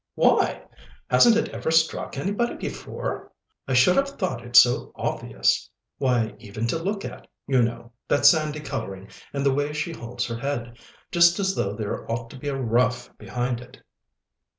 "Why? Hasn't it ever struck anybody before? I should have thought it so obvious. Why, even to look at, you know that sandy colouring, and the way she holds her head: just as though there ought to be a ruff behind it."